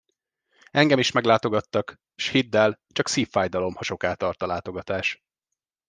Engem is meglátogattak, s hidd el, csak szívfájdalom, ha soká tart a látogatás.